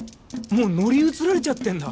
もう乗り移られちゃってんだ？